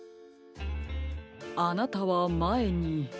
あなたはまえに。